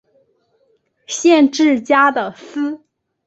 县治加的斯。